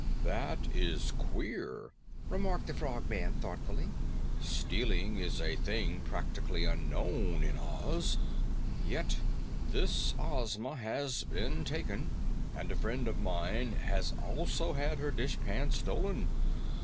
"That is queer," remarked the Frogman thoughtfully. "Stealing is a thing practically unknown in Oz, yet this Ozma has been taken, and a friend of mine has also had her dishpan stolen.